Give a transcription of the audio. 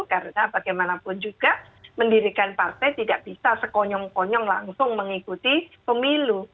karena bagaimanapun juga mendirikan partai tidak bisa sekonyong konyong langsung mengikuti pemilu